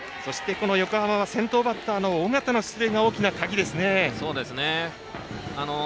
横浜は先頭バッターの緒方の出塁が大きな鍵ですね。